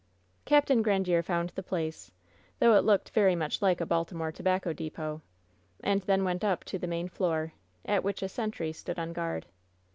Capt. Grandiere found the place — ^though it looked very much like a Baltimore tobacco depot — and then went up to the main floor, at which a sentry stood on guard.